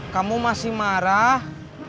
kamu masih marah